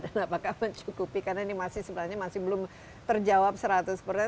apakah mencukupi karena ini sebenarnya masih belum terjawab seratus persen